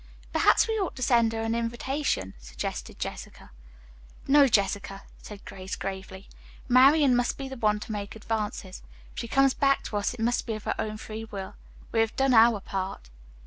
"Perhaps we ought to send her an invitation," suggested Jessica. "No, Jessica," said Grace gravely. "Marian must be the one to make advances. If she comes back to us, it must be of her own free will. We have done our part."